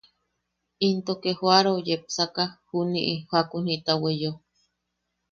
Into ke jo’arao yepsaka, juni’i jakun jita weyeo…